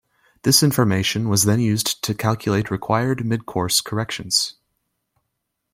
This information was then used to calculate required mid-course corrections.